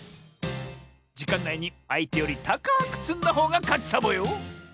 じかんないにあいてよりたかくつんだほうがかちサボよ！